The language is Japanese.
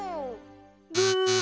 ブー！